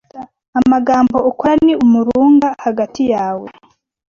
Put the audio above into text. Amagambo Ukora ni umurunga hagati yawe